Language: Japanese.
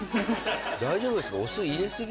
大丈夫ですか？